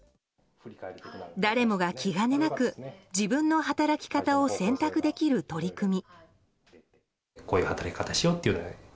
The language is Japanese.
誰もが気兼ねなく自分の働き方を選択できる取り組み。